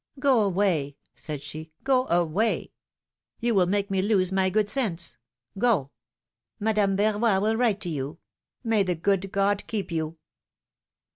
Go away ! said she, go away ! You will make me lose my good sense — go! Madame Verroy will write to you. May the good God keep yon